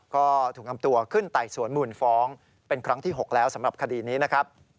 ก็ถูกนำตัวขึ้นไต่สวนมูลฟ้องเป็นครั้งที่๖แล้วสำหรับคดีนี้นะครับ